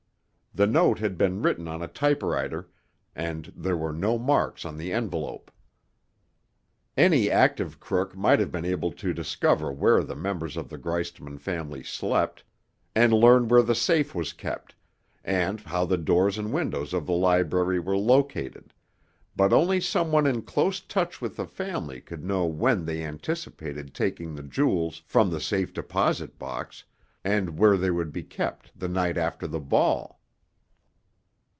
The note had been written on a typewriter, and there were no marks on the envelope. Any active crook might have been able to discover where the members of the Greistman family slept, and learn where the safe was kept, and how the doors and windows of the library were located, but only some one in close touch with the family could know when they anticipated taking the jewels from the safe deposit box and where they would be kept the night after the ball.